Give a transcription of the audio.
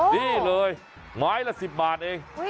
นี่เลยไม้ละ๑๐บาทเอง